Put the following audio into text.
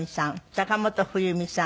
坂本冬美さん